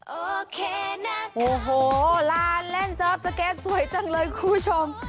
โอเคนะโอ้โหลานเล่นเสิร์ฟสเก็ตสวยจังเลยคุณผู้ชม